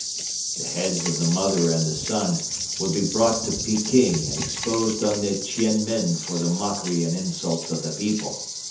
The heads of the mother and the son would be brought to Peking and exposed on the Ch'ien Men for the mockery and insults of the people.